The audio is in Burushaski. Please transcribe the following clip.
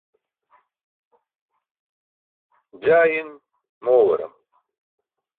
jaa in moowaram